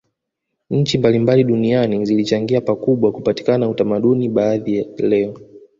Nchi mbalimbali duniani zilichangia pakubwa kupatikana utamaduni baadhi leo